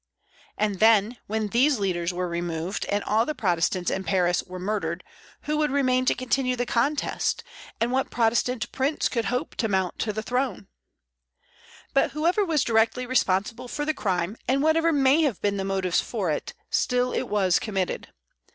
And then, when these leaders were removed, and all the Protestants in Paris were murdered, who would remain to continue the contest, and what Protestant prince could hope to mount the throne? But whoever was directly responsible for the crime, and whatever may have been the motives for it, still it was committed.